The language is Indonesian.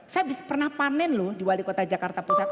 saya pernah panen loh di wali kota jakarta pusat